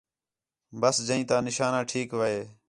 ٻس جئیں تا نشانہ ٹھیک وہے